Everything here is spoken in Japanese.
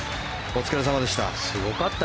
お疲れ様でした。